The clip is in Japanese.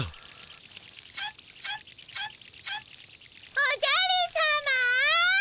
おじゃるさま！